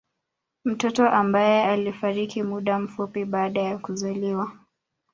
Mtoto ambae alifariki muda mfupi baada ya kuzaliwa